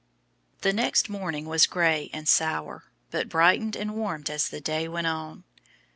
The next morning was gray and sour, but brightened and warmed as the day went on.